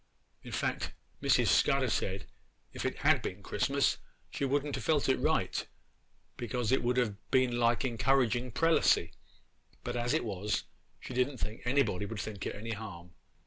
In fact, Mrs. Scudder said if it had been Christmas she wouldn't have felt it right, because it would be like encouraging prelacy; but as it was, she didn't think anybody would think it any harm.